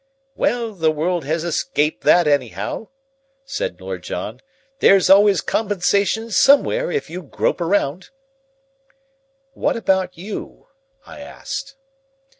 "Well, the world has escaped that, anyhow," said Lord John. "There's always compensation somewhere if you grope around." "What about you?" I asked.